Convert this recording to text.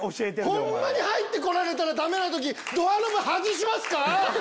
ホンマに入って来られたらダメな時ドアノブ外しますか？